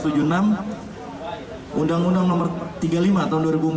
undang undang nomor tiga puluh lima tahun dua ribu empat belas